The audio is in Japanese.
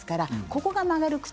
そこが曲がる靴